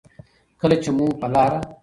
کله چې مو په لاره